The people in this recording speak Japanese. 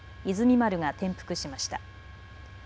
丸が転覆しました。